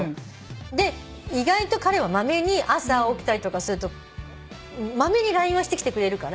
で意外と彼はまめに朝起きたりとかするとまめにＬＩＮＥはしてきてくれるから。